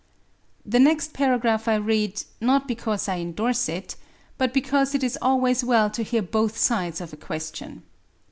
The next paragraph I read, not because I endorse it, but because it is always well to hear both sides of a question.